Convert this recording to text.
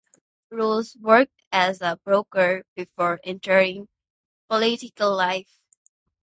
Rose worked as a broker before entering political life.